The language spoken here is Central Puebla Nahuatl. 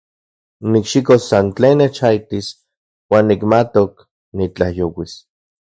Nikxikos san tlen nechaijtis uan nimatok nitlajyouis.